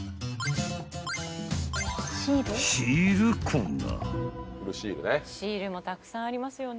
シールね。